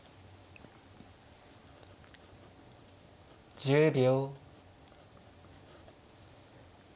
１０秒。